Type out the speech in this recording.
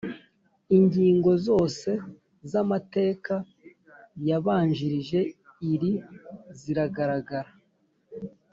Ingingo zose z amateka yabanjirije iri ziragaragara